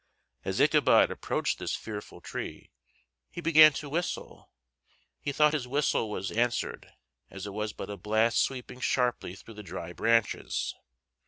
As Ichabod approached this fearful tree he began to whistle: he thought his whistle was answered; it was but a blast sweeping sharply through the dry branches.